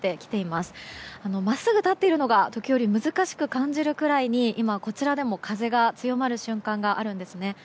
まっすぐ立っているのが時折、難しく感じるくらいに今こちらでも風が強まる瞬間があるんですね。